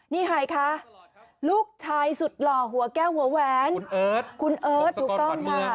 นี่ค่ะลูกชายสุดหล่อหัวแก้วหัวแหวนคุณเฮิร์ตคุณเฮิร์ตถูกด้องค่ะ